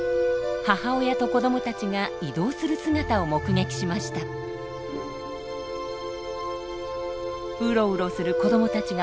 母親と子どもたちが移動する姿を目撃しました。